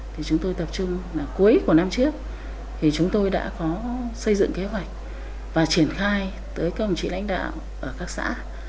thì chúng tôi tập trung cuối của năm trước thì chúng tôi đã có xây dựng kế hoạch và triển khai tới công trị lãnh đạo ở các xã